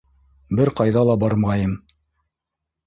Бер ҡайҙа ла бармайым!